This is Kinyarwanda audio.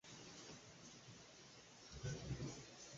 ntuzakenera ibyo